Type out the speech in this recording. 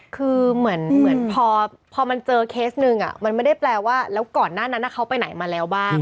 คือเหมือนพอมันเจอเคสหนึ่งมันไม่ได้แปลว่าแล้วก่อนหน้านั้นเขาไปไหนมาแล้วบ้าง